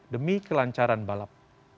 demi kelancaran balap